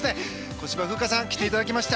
小芝風花さんに来ていただきました。